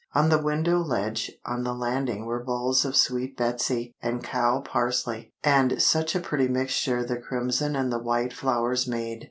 On the window ledge on the landing were bowls of Sweet Betsy and cow parsley—and such a pretty mixture the crimson and the white flowers made.